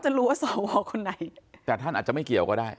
รู้ว่าสวคนไหนแต่ท่านอาจจะไม่เกี่ยวก็ได้